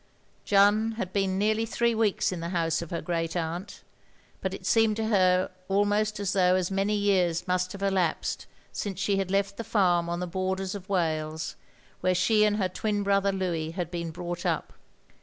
Jeanne had been nearly three weeks in the house of her great atmt, but it seemed to her almost as though as many years must have elapsed since she had left the farm on the borders of Wales, where she and her twin brother Louis had been brought up.